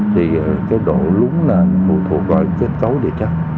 thì cái độ lúng là thuộc vào kết cấu địa chất